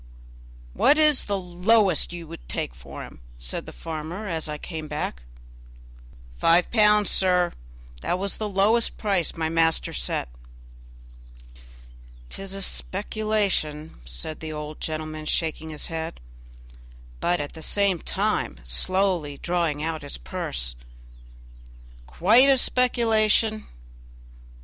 "What is the lowest you will take for him?" said the farmer as I came back. "Five pounds, sir; that was the lowest price my master set." "'Tis a speculation," said the old gentleman, shaking his head, but at the same time slowly drawing out his purse, "quite a speculation!